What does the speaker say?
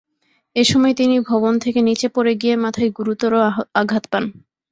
এ সময় তিনি ভবন থেকে নিচে পড়ে গিয়ে মাথায় গুরুতর আঘাত পান।